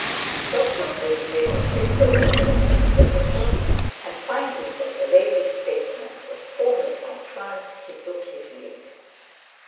Dr Gwynne made a simple reference to the bishop, and finding that the lady's statement was formally confirmed, he took his leave.